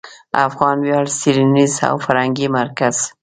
افغان ویاړ څېړنیز او فرهنګي مرکز